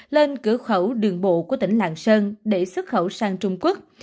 lên cửa khẩu đường bộ của tỉnh lạng sơn để xuất khẩu sang trung quốc